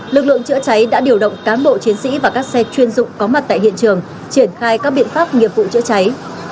lực lượng chữa cháy đã điều động cán bộ chiến sĩ và các xe chuyên dụng có mặt tại hiện trường triển khai các biện pháp nghiệp vụ chữa cháy